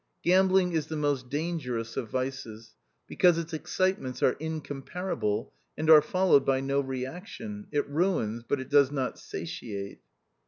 Gambling is the most dangerous of vices, because its excitements are incomparable, and are followed by no reaction ; it ruins, but it does not satiate.